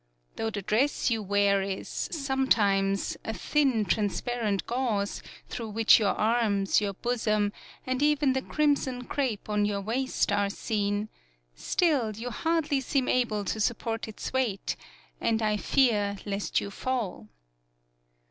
Though the dress you wear is, sometimes, a thin, transparent gauze, through which your arms, your bosom, and even the crimson crape on your waist are seen, still you hardly seem able to support its weight, and I fear lest you fall.